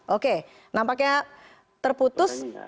oke nampaknya terputus